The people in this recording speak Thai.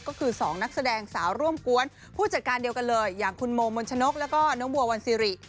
ก็คือ๒นักแสดงสาวร่วมกวนผู้จัดการเดียวกันเลยอย่างคุณโมมนชนกแล้วก็น้องบัววันซิริ